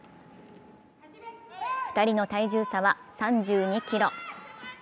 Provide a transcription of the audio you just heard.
２人の体重差は３２ｋｇ。